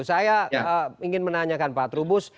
saya ingin menanyakan pak trubus